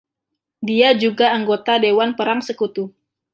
Dia juga anggota Dewan Perang Sekutu.